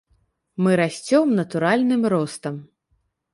Мы расцём натуральным ростам.